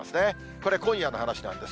これ、今夜の話なんです。